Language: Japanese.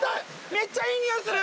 めっちゃいいにおいする！